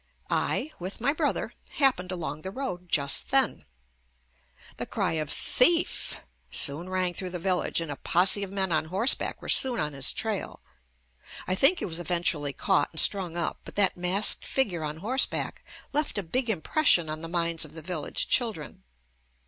I, with my brother, hap pened along the road just then. The cry of "Thief" soon rang through the village and a posse of men on horseback were soon on his trail. I think he was eventually caught and JUST ME strung up, bi. /hat masked figure on horse back left a big impression on the minds of the village children.